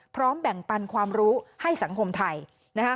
พร้อมแบ่งปันความรู้ให้สังคมไทย